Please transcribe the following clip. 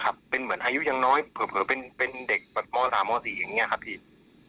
ก็เหมือนใหญ่น้อยได้หรือเป็นเด็กเมื่อฝึกเกิด